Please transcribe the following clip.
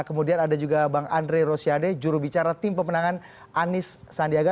kemudian ada juga bang andre rosiade jurubicara tim pemenangan anies sandiaga